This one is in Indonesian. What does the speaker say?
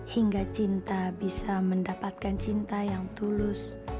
hingga cinta bisa mendapatkan cinta yang tulus